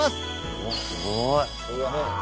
うわっすごいうわ。